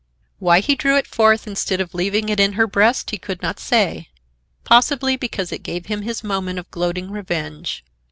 Why he drew it forth instead of leaving it in her breast he could not say. Possibly because it gave him his moment of gloating revenge.